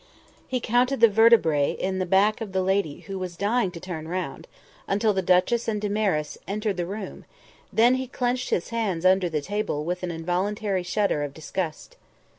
He counted the vertebrae in the back of the lady who was dying to turn round, until the duchess and Damaris entered the room; then he clenched his hands under the table with an involuntary shudder of disgust.